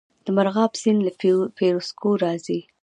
د مرغاب سیند له فیروز کوه راځي